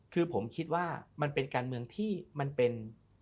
คือผมคิดว่ามันเป็นการเมืองที่มันเป็น